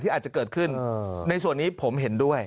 อาจจะเกิดขึ้นในส่วนนี้ผมเห็นด้วย